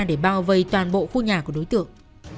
để bao vây toàn bộ khu nhà của đối tượng